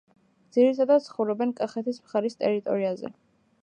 ძირითადად ცხოვრობენ კახეთის მხარის ტერიტორიაზე.